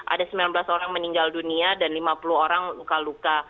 ada sembilan belas orang meninggal dunia dan lima puluh orang luka luka